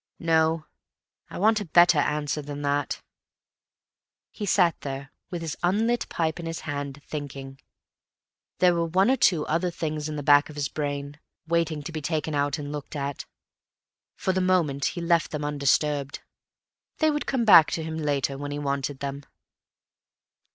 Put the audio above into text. No, I want a better answer than that." He sat there with his unlit pipe in his hand, thinking. There were one or two other things in the back of his brain, waiting to be taken out and looked at. For the moment he left them undisturbed. They would come back to him later when he wanted them.